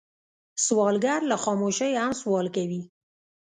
سوالګر له خاموشۍ هم سوال کوي